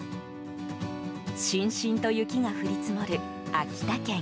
しんしんと雪が降り積もる秋田県。